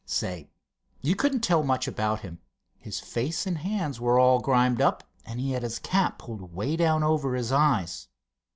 Say, you couldn't tell much about him. His face and hands were all grimed up, and he had his cap pulled way down over his eyes.